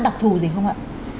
đặc thù gì không ạ